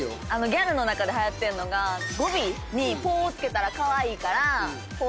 ギャルの中ではやってるのが語尾に「ぽ」を付けたらカワイイから「ぽ」